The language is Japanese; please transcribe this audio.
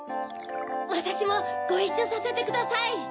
わたしもごいっしょさせてください。